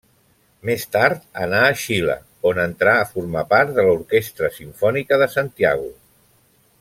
Més tard, anà a Xile, on entrà a formar part de l'Orquestra Simfònica de Santiago.